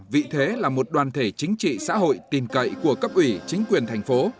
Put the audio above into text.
vị thế là một đoàn thể chính trị xã hội tình cậy của cấp ủy chính quyền thành phố